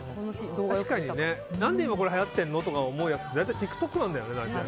何で今これはやってるの？って思うやつは大体ＴｉｋＴｏｋなんだよね。